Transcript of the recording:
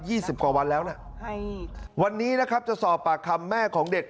สิบกว่าวันแล้วน่ะใช่วันนี้นะครับจะสอบปากคำแม่ของเด็ก